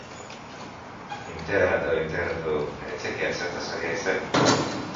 Integratu, integratu... ez zekiat zertaz ari haizen.